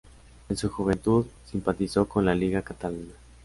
En su juventud simpatizó con la Lliga Catalana.